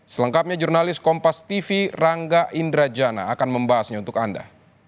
selengkapnya jurnalis kompas tv rangga indrajana akan membahasnya untuk anda